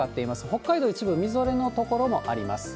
北海道、一部みぞれの所もあります。